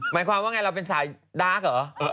หมายความว่าไงเราเป็นสายดาร์กเหรอ